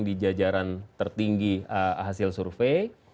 di jajaran tertinggi hasil survei